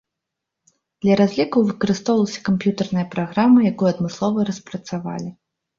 Для разлікаў выкарыстоўвалася камп'ютарная праграма, якую адмыслова распрацавалі.